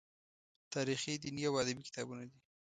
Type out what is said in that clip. تاریخي، دیني او ادبي کتابونه دي.